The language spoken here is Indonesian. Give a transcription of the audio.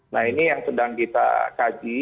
nah ini yang sedang kita kaji